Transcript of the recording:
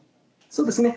そうですね。